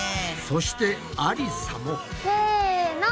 そしてありさも！せの！